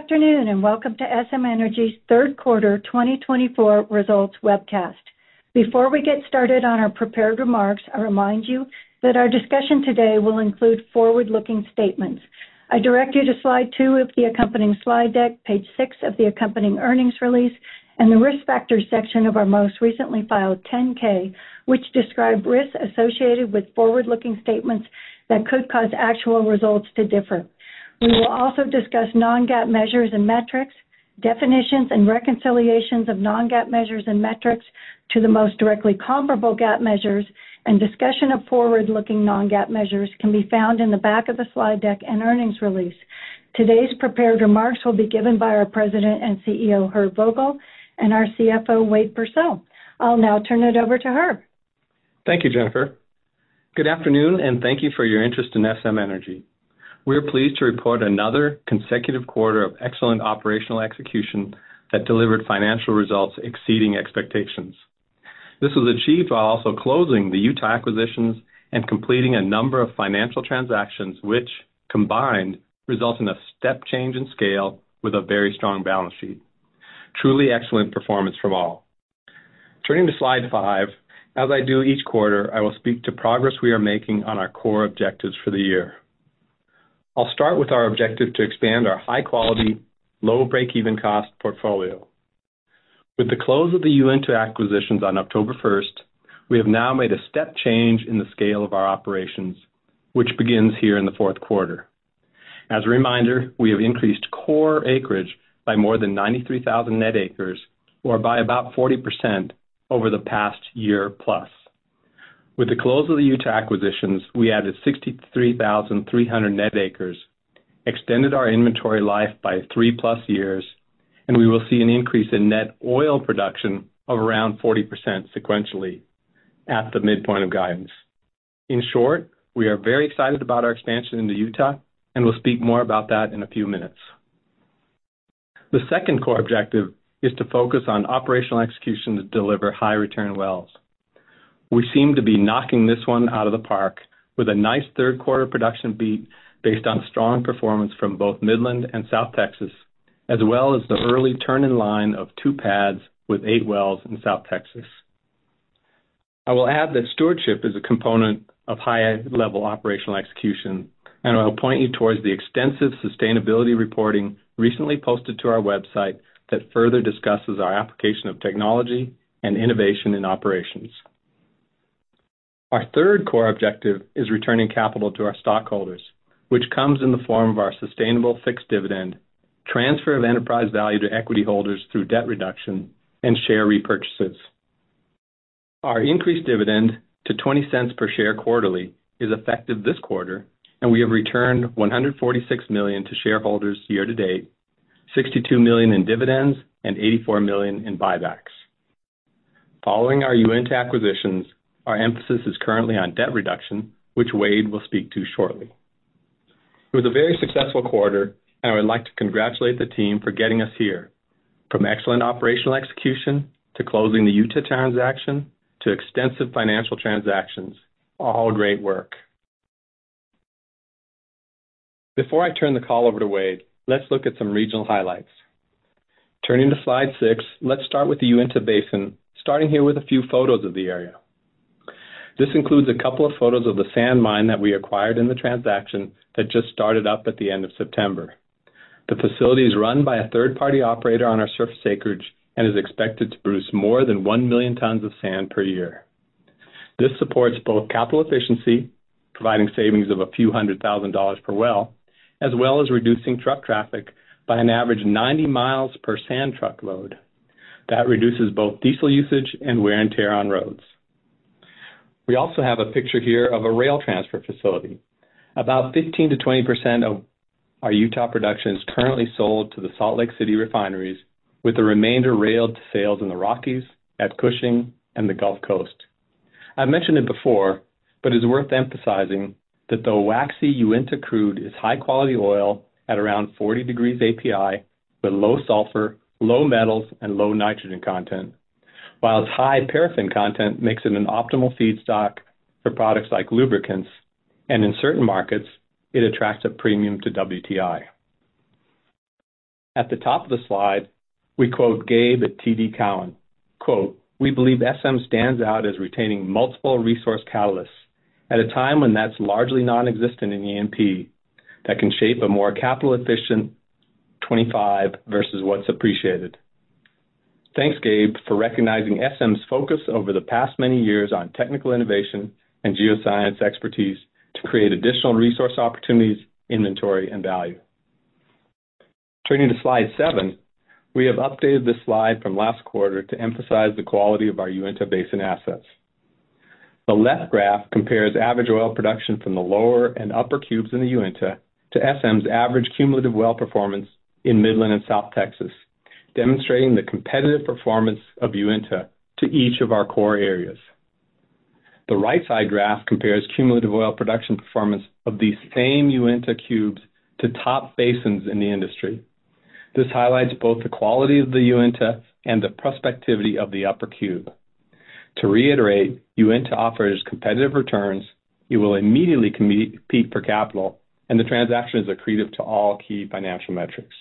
Good afternoon and welcome to SM Energy's third quarter 2024 results webcast. Before we get started on our prepared remarks, I remind you that our discussion today will include forward-looking statements. I direct you to Slide 2 of the accompanying slide deck, Page 6 of the accompanying earnings release, and the risk factors section of our most recently filed 10-K, which described risks associated with forward-looking statements that could cause actual results to differ. We will also discuss non-GAAP measures and metrics, definitions and reconciliations of non-GAAP measures and metrics to the most directly comparable GAAP measures, and discussion of forward-looking non-GAAP measures can be found in the back of the slide deck and earnings release. Today's prepared remarks will be given by our President and CEO, Herb Vogel, and our CFO, Wade Pursell. I'll now turn it over to Herb. Thank you, Jennifer. Good afternoon and thank you for your interest in SM Energy. We're pleased to report another consecutive quarter of excellent operational execution that delivered financial results exceeding expectations. This was achieved while also closing the Utah acquisitions and completing a number of financial transactions, which combined result in a step change in scale with a very strong balance sheet. Truly excellent performance from all. Turning to Slide 5, as I do each quarter, I will speak to progress we are making on our core objectives for the year. I'll start with our objective to expand our high-quality, low break-even cost portfolio. With the close of the Uinta acquisitions on October 1st, we have now made a step change in the scale of our operations, which begins here in the fourth quarter. As a reminder, we have increased core acreage by more than 93,000 net acres, or by about 40% over the past year plus. With the close of the Utah acquisitions, we added 63,300 net acres, extended our inventory life by 3+ years, and we will see an increase in net oil production of around 40% sequentially at the midpoint of guidance. In short, we are very excited about our expansion into Utah and will speak more about that in a few minutes. The second core objective is to focus on operational execution to deliver high return wells. We seem to be knocking this one out of the park with a nice third quarter production beat based on strong performance from both Midland and South Texas, as well as the early turn-in-line of two pads with eight wells in South Texas. I will add that stewardship is a component of high-level operational execution, and I'll point you towards the extensive sustainability reporting recently posted to our website that further discusses our application of technology and innovation in operations. Our third core objective is returning capital to our stockholders, which comes in the form of our sustainable fixed dividend, transfer of enterprise value to equity holders through debt reduction and share repurchases. Our increased dividend to $0.20 per share quarterly is effective this quarter, and we have returned $146 million to shareholders year to date, $62 million in dividends and $84 million in buybacks. Following our Uinta acquisitions, our emphasis is currently on debt reduction, which Wade will speak to shortly. It was a very successful quarter, and I would like to congratulate the team for getting us here. From excellent operational execution to closing the Utah transaction to extensive financial transactions, all great work. Before I turn the call over to Wade, let's look at some regional highlights. Turning to Slide 6, let's start with the Uinta Basin, starting here with a few photos of the area. This includes a couple of photos of the sand mine that we acquired in the transaction that just started up at the end of September. The facility is run by a third-party operator on our surface acreage and is expected to produce more than 1 million tons of sand per year. This supports both capital efficiency, providing savings of a few hundred thousand dollars per well, as well as reducing truck traffic by an average of 90 mi per sand truck load. That reduces both diesel usage and wear and tear on roads. We also have a picture here of a rail transfer facility. About 15%-20% of our Utah production is currently sold to the Salt Lake City refineries, with the remainder railed to sales in the Rockies, at Cushing, and the Gulf Coast. I've mentioned it before, but it's worth emphasizing that the waxy Uinta crude is high-quality oil at around 40 degrees API, with low sulfur, low metals, and low nitrogen content, while its high paraffin content makes it an optimal feedstock for products like lubricants, and in certain markets, it attracts a premium to WTI. At the top of the slide, we quote Gabe at TD Cowen. We believe SM stands out as retaining multiple resource catalysts at a time when that's largely nonexistent in E&P that can shape a more capital-efficient 25 versus what's appreciated." Thanks, Gabe, for recognizing SM's focus over the past many years on technical innovation and geoscience expertise to create additional resource opportunities, inventory, and value. Turning to Slide 7, we have updated this slide from last quarter to emphasize the quality of our Uinta Basin assets. The left graph compares average oil production from the Lower and Upper Cubes in the Uinta to SM's average cumulative well performance in Midland and South Texas, demonstrating the competitive performance of Uinta to each of our core areas. The right-side graph compares cumulative oil production performance of the same Uinta cubes to top basins in the industry. This highlights both the quality of the Uinta and the prospectivity of the Upper Cube. To reiterate, Uinta offers competitive returns, you will immediately compete for capital, and the transaction is accretive to all key financial metrics.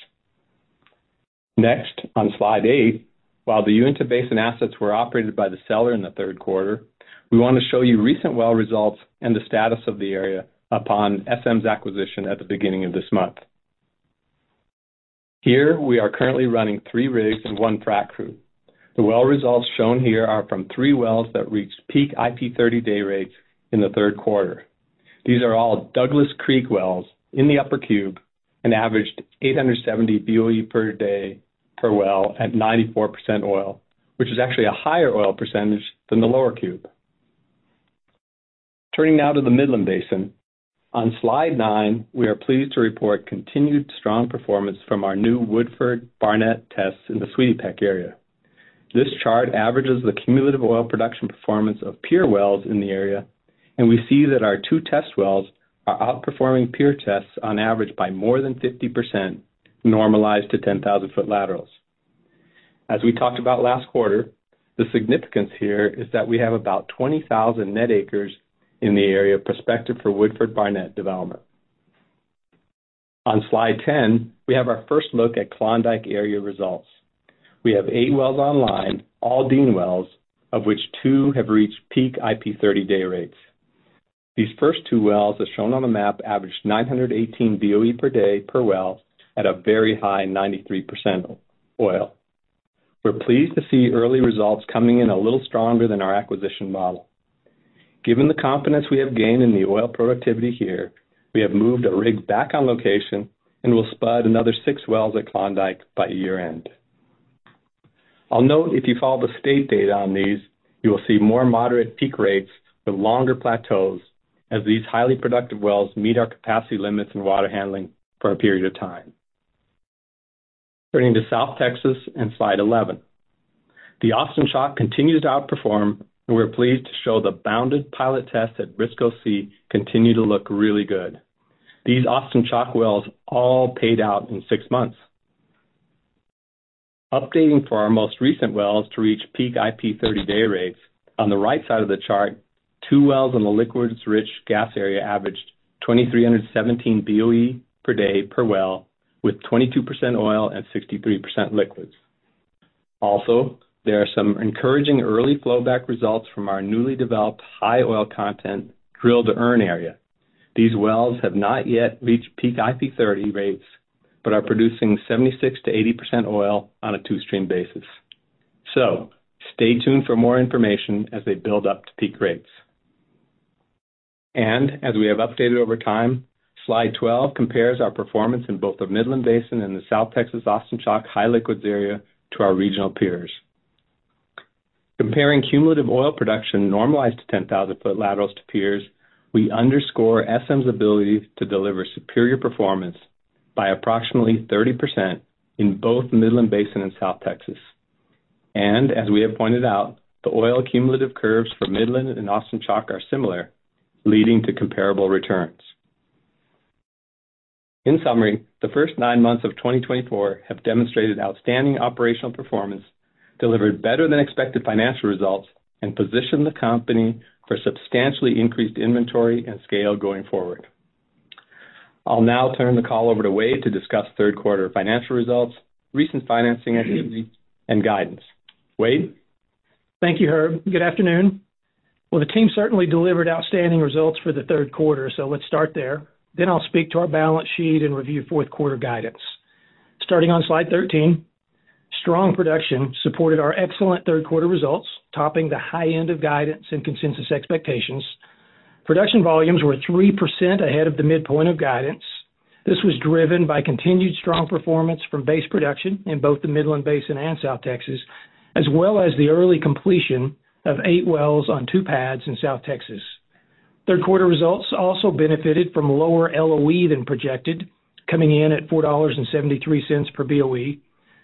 Next, on Slide 8, while the Uinta basin assets were operated by the seller in the third quarter, we want to show you recent well results and the status of the area upon SM's acquisition at the beginning of this month. Here we are currently running three rigs and one frac crew. The well results shown here are from three wells that reached peak IP 30-day rates in the third quarter. These are all Douglas Creek wells in the Upper Cube and averaged 870 BOE per day per well at 94% oil, which is actually a higher oil percentage than the Lower Cube. Turning now to the Midland Basin. On Slide 9, we are pleased to report continued strong performance from our new Woodford and Barnett tests in the Sweetie Peck area. This chart averages the cumulative oil production performance of peer wells in the area, and we see that our two test wells are outperforming peer tests on average by more than 50%, normalized to 10,000 ft laterals. As we talked about last quarter, the significance here is that we have about 20,000 net acres in the area prospective for Woodford and Barnett development. On Slide 10, we have our first look at Klondike area results. We have eight wells online, all Dean wells, of which two have reached peak IP 30-day rates. These first two wells, as shown on the map, averaged 918 BOE per day per well at a very high 93% oil. We're pleased to see early results coming in a little stronger than our acquisition model. Given the confidence we have gained in the oil productivity here, we have moved a rig back on location and will spud another six wells at Klondike by year-end. I'll note if you follow the state data on these, you will see more moderate peak rates with longer plateaus as these highly productive wells meet our capacity limits and water handling for a period of time. Turning to South Texas and Slide 11. The Austin Chalk continues to outperform, and we're pleased to show the bounded pilot tests at Briscoe C continue to look really good. These Austin Chalk wells all paid out in six months. Updating for our most recent wells to reach peak IP 30-day rates. On the right side of the chart, two wells in the liquids-rich gas area averaged 2,317 BOE per day per well with 22% oil and 63% liquids. Also, there are some encouraging early flowback results from our newly developed high oil content drill-to-earn area. These wells have not yet reached peak IP 30 rates, but are producing 76%-80% oil on a two-stream basis. So stay tuned for more information as they build up to peak rates. And as we have updated over time, Slide 12 compares our performance in both the Midland Basin and the South Texas Austin Chalk high liquids area to our regional peers. Comparing cumulative oil production normalized to 10,000 ft laterals to peers, we underscore SM's ability to deliver superior performance by approximately 30% in both Midland Basin and South Texas. And as we have pointed out, the oil cumulative curves for Midland and Austin Chalk are similar, leading to comparable returns. In summary, the first nine months of 2024 have demonstrated outstanding operational performance, delivered better than expected financial results, and positioned the company for substantially increased inventory and scale going forward. I'll now turn the call over to Wade to discuss third quarter financial results, recent financing activity, and guidance. Wade. Thank you, Herb. Good afternoon. The team certainly delivered outstanding results for the third quarter, so let's start there. Then I'll speak to our balance sheet and review fourth quarter guidance. Starting on Slide 13, strong production supported our excellent third quarter results, topping the high end of guidance and consensus expectations. Production volumes were 3% ahead of the midpoint of guidance. This was driven by continued strong performance from base production in both the Midland Basin and South Texas, as well as the early completion of eight wells on two pads in South Texas. Third quarter results also benefited from lower LOE than projected, coming in at $4.73 per BOE.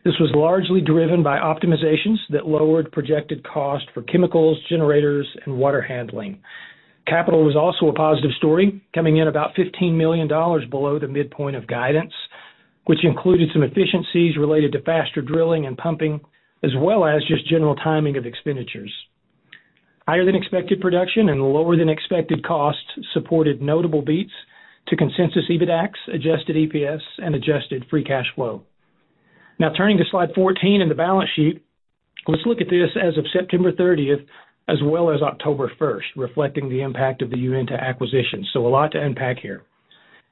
This was largely driven by optimizations that lowered projected cost for chemicals, generators, and water handling. Capital was also a positive story, coming in about $15 million below the midpoint of guidance, which included some efficiencies related to faster drilling and pumping, as well as just general timing of expenditures. Higher than expected production and lower than expected costs supported notable beats to consensus EBITDA, adjusted EPS, and adjusted free cash flow. Now turning to Slide 14 in the balance sheet, let's look at this as of September 30th, as well as October 1st, reflecting the impact of the Uinta acquisitions. So a lot to unpack here.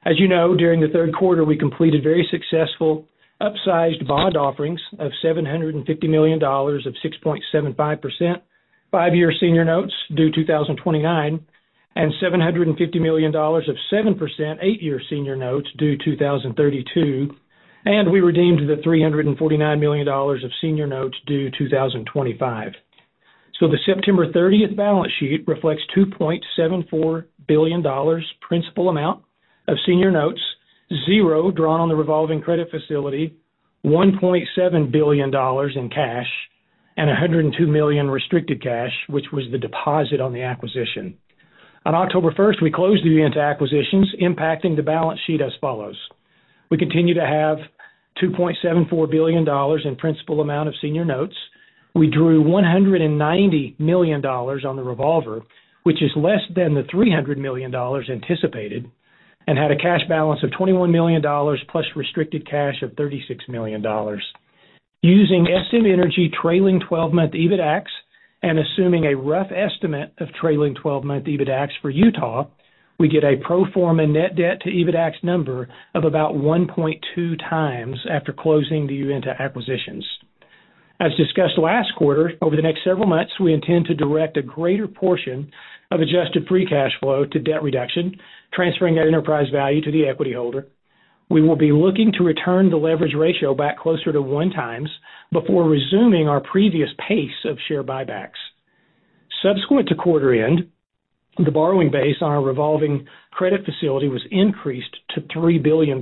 As you know, during the third quarter, we completed very successful upsized bond offerings of $750 million of 6.75%, five-year senior notes due 2029, and $750 million of 7%, eight-year senior notes due 2032, and we redeemed the $349 million of senior notes due 2025. The September 30th balance sheet reflects $2.74 billion principal amount of senior notes, zero drawn on the revolving credit facility, $1.7 billion in cash, and 102 million restricted cash, which was the deposit on the acquisition. On October 1st, we closed the Uinta acquisitions, impacting the balance sheet as follows. We continue to have $2.74 billion in principal amount of senior notes. We drew $190 million on the revolver, which is less than the $300 million anticipated, and had a cash balance of $21 million plus restricted cash of $36 million. Using SM Energy trailing 12-month EBITDA and assuming a rough estimate of trailing 12-month EBITDA for Utah, we get a pro forma net debt to EBITDA number of about 1.2x after closing the Uinta acquisitions. As discussed last quarter, over the next several months, we intend to direct a greater portion of adjusted free cash flow to debt reduction, transferring that enterprise value to the equity holder. We will be looking to return the leverage ratio back closer to 1x before resuming our previous pace of share buybacks. Subsequent to quarter end, the borrowing base on our revolving credit facility was increased to $3 billion.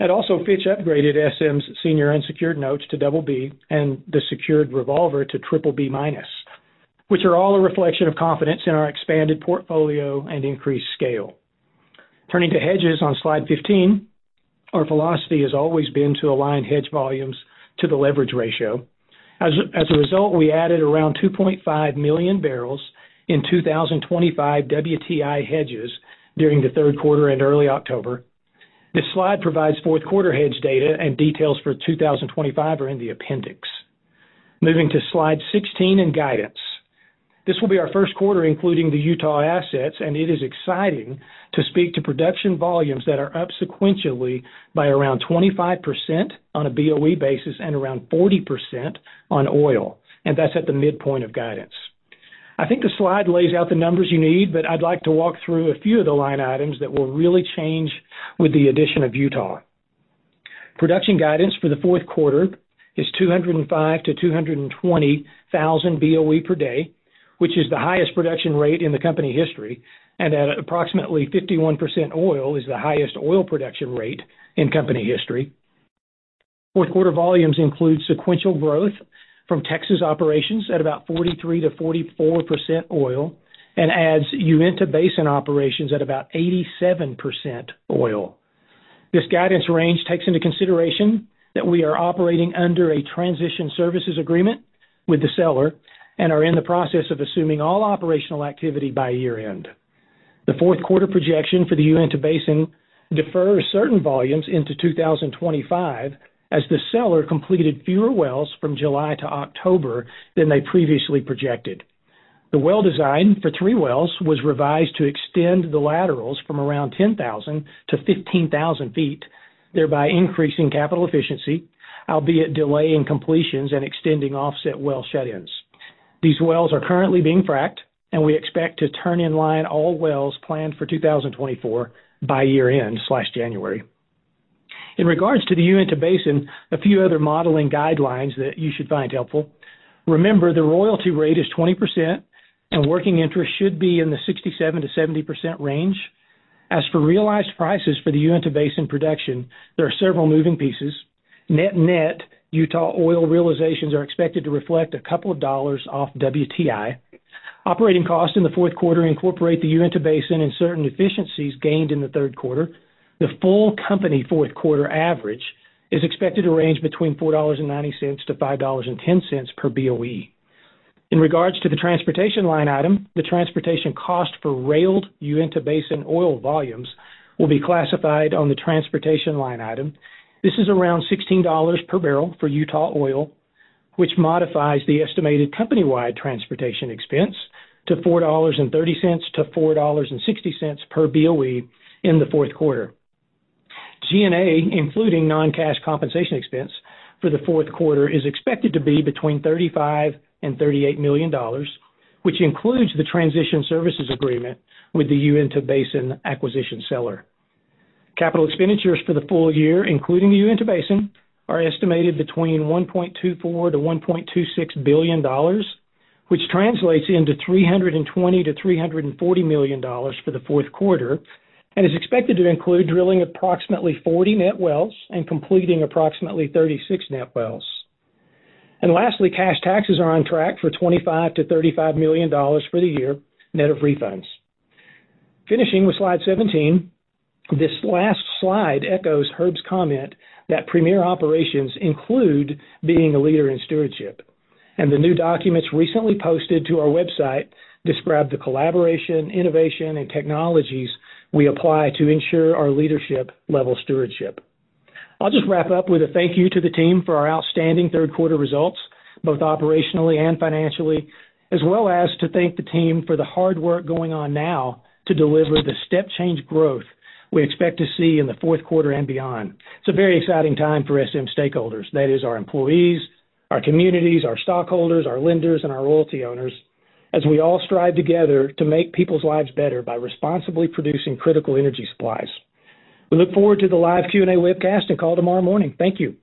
It also Fitch upgraded SM's senior unsecured notes to BB and the secured revolver to BBB-, which are all a reflection of confidence in our expanded portfolio and increased scale. Turning to hedges on Slide 15, our philosophy has always been to align hedge volumes to the leverage ratio. As a result, we added around 2.5 million bbl in 2025 WTI hedges during the third quarter and early October. This slide provides fourth quarter hedge data, and details for 2025 are in the appendix. Moving to Slide 16 in guidance. This will be our first quarter including the Utah assets, and it is exciting to speak to production volumes that are up sequentially by around 25% on a BOE basis and around 40% on oil, and that's at the midpoint of guidance. I think the slide lays out the numbers you need, but I'd like to walk through a few of the line items that will really change with the addition of Utah. Production guidance for the fourth quarter is 205,000 BOE per day-220,000 BOE per day, which is the highest production rate in the company history, and, at approximately 51% oil, is the highest oil production rate in company history. Fourth quarter volumes include sequential growth from Texas operations at about 43%-44% oil and adds Uinta Basin operations at about 87% oil. This guidance range takes into consideration that we are operating under a transition services agreement with the seller and are in the process of assuming all operational activity by year-end. The fourth quarter projection for the Uinta Basin defers certain volumes into 2025 as the seller completed fewer wells from July to October than they previously projected. The well design for three wells was revised to extend the laterals from around 10,000 ft-15,000 ft, thereby increasing capital efficiency, albeit delaying completions and extending offset well shut-ins. These wells are currently being fracked, and we expect to turn in line all wells planned for 2024 by year-end/January. In regards to the Uinta Basin, a few other modeling guidelines that you should find helpful. Remember, the royalty rate is 20%, and working interest should be in the 67%-70% range. As for realized prices for the Uinta Basin production, there are several moving pieces. Net net, Utah oil realizations are expected to reflect a couple of dollars off WTI. Operating costs in the fourth quarter incorporate the Uinta Basin and certain efficiencies gained in the third quarter. The full company fourth quarter average is expected to range between $4.90-$5.10 per BOE. In regards to the transportation line item, the transportation cost for railed Uinta Basin oil volumes will be classified on the transportation line item. This is around $16 per barrel for Utah oil, which modifies the estimated company-wide transportation expense to $4.30-$4.60 per BOE in the fourth quarter. G&A, including non-cash compensation expense for the fourth quarter, is expected to be between $35 million and $38 million, which includes the transition services agreement with the Uinta Basin acquisition seller. Capital expenditures for the full year, including the Uinta Basin, are estimated between $1.24 billion and $1.26 billion, which translates into $320 million-$340 million for the fourth quarter and is expected to include drilling approximately 40 net wells and completing approximately 36 net wells. Lastly, cash taxes are on track for $25 million-$35 million for the year net of refunds. Finishing with Slide 17, this last slide echoes Herb's comment that premier operations include being a leader in stewardship. The new documents recently posted to our website describe the collaboration, innovation, and technologies we apply to ensure our leadership-level stewardship. I'll just wrap up with a thank you to the team for our outstanding third quarter results, both operationally and financially, as well as to thank the team for the hard work going on now to deliver the step-change growth we expect to see in the fourth quarter and beyond. It's a very exciting time for SM stakeholders. That is our employees, our communities, our stockholders, our lenders, and our royalty owners as we all strive together to make people's lives better by responsibly producing critical energy supplies. We look forward to the live Q&A webcast and call tomorrow morning. Thank you.